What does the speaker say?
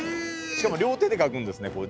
しかも両手で描くんですね。